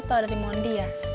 lo tau dari mondi ya